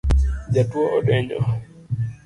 Jatuo odenyo